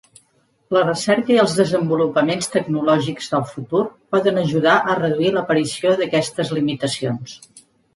La recerca i els desenvolupaments tecnològics del futur poden ajudar a reduir l'aparició d'aquestes limitacions.